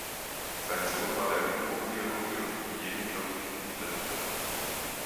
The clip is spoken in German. Sein Sohn war der Mikrobiologe und Hygieniker Friedrich Loeffler.